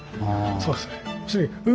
そうですね。